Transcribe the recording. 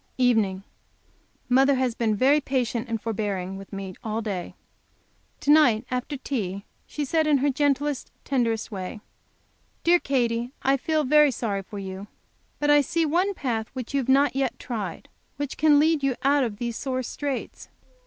Evening. Mother has been very patient and forbearing with me all day. To night, after tea, she said, in her gentlest, tenderest way, "Dear Katy, I feel very sorry for you. But I see one path which you have not yet tried, which can lead you out of these sore straits.